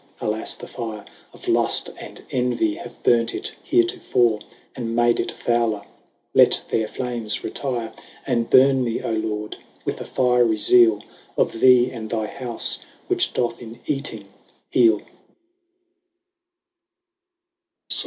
alas the fire 10 Of luft and envie have burnt it heretofore, And made it fouler ; Let their flames retire, And burne me 6 Lord, with a fiery zeale Of thee and thy houfe, which doth in eating heale.